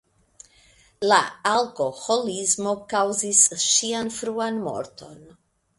La alkoholismo kaŭzis ŝian fruan morton.